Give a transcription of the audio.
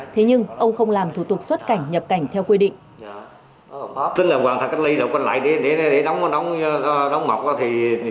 thế nhưng ông không làm thủ tục xuất cảnh nhập cảnh theo quy định